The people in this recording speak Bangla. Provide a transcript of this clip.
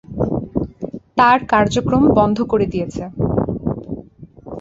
তার কার্যক্রম বন্ধ করে দিয়েছে।